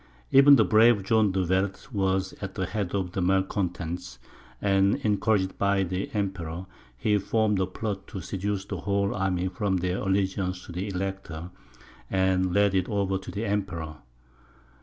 Even the brave John de Werth was at the head of the malcontents, and encouraged by the Emperor, he formed a plot to seduce the whole army from their allegiance to the Elector, and lead it over to the Emperor.